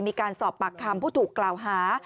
มีการสอบปากคำผู้ถูกกล่าวหา